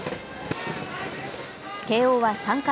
慶応は３回。